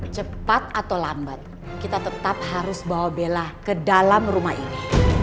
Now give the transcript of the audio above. cepat atau lambat kita tetap harus bawa bela ke dalam rumah ini